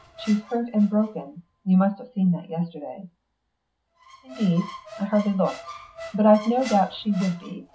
She's hurt and broken; you must have seen that yesterday." "Indeed, I hardly looked. But I've no doubt she would be.